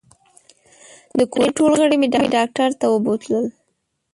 د کورنۍ ټول غړي مې ډاکټر ته بوتلل